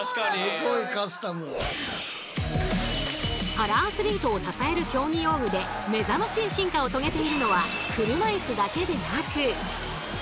パラアスリートを支える競技用具でめざましい進化を遂げているのはそう！